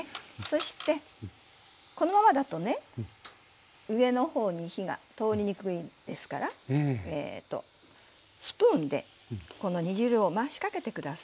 そしてこのままだとね上の方に火が通りにくいですからスプーンでこの煮汁を回しかけて下さいこのようにと。